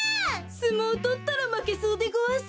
すもうとったらまけそうでごわす。